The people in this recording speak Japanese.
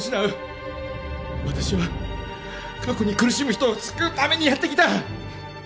私は過去に苦しむ人を救うためにやってきた。